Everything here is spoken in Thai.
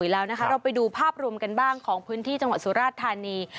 แล้วนะคะเราไปดูภาพรวมกันบ้างของพื้นที่จังหวัดสุราชธานี